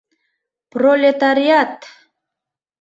Пролетариат!